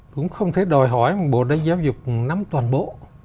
cũng không thể đòi hỏi một bộ đánh giáo dục nắm toàn bộ